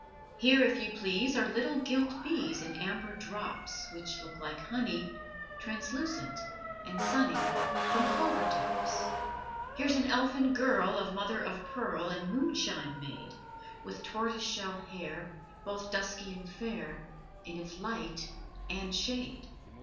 Here, if you please Are little gilt bees In amber drops Which look like honey, Translucent and sunny, From clover tops. Here's an elfin girl Of mother of pearl And moonshine made, With tortoise shell hair Both dusky and fair In its light and shade.